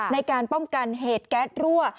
ในการป้องกันเหตุแก๊สรั่ว